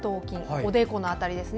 おでこの辺りですね。